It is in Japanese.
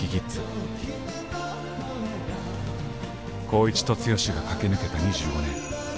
光一と剛が駆け抜けた２５年。